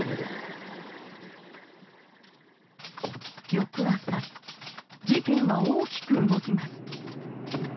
翌朝事件は大きく動きます。